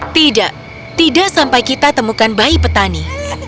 tidak tidak sampai kita temukan bayi petani